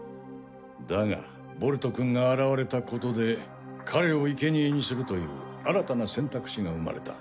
だがボルトくんが現れたことで彼をいけにえにするという新たな選択肢が生まれた。